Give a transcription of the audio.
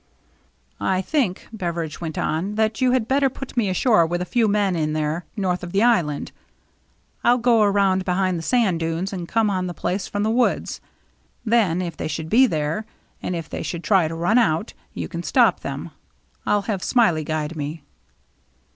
" I think," Beveridge went on, " that you had better put me ashore with a few men in there north of the island. I'll go around behind the sand dunes and come on the place from the woods. Then if they should be there, and if they should try to run out, you can stop them. I'll have Smiley guide me."